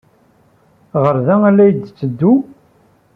Ɣer da ay la d-yetteddu?